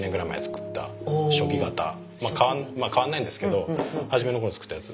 今から変わんないんですけど初めの頃作ったやつ。